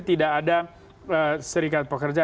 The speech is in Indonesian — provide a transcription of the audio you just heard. tidak ada serikat pekerja